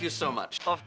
tentu saja pak